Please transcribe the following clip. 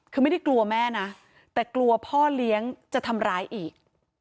คือไม่ได้กลัวแม่นะแต่กลัวพ่อเลี้ยงจะทำร้ายอีก